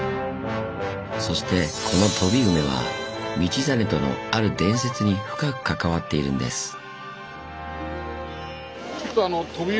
そしてこの飛梅は道真とのある伝説に深く関わっているんです。